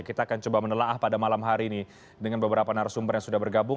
kita akan coba menelah pada malam hari ini dengan beberapa narasumber yang sudah bergabung